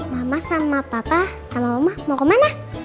mama sama papa sama oma mau kemana